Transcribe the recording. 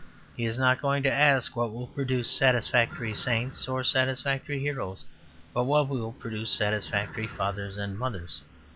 He is not going to ask what will produce satisfactory saints or satisfactory heroes, but what will produce satisfactory fathers and mothers.